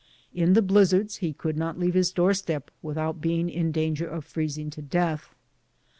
In the blizzards he could not leave his door step without being in danger of freezing to death.